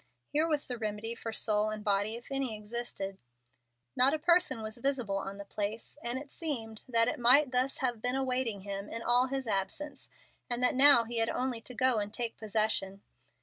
Here was the remedy for soul and body, if any existed. Not a person was visible on the place, and it seemed that it might thus have been awaiting him in all his absence, and that now he had only to go and take possession.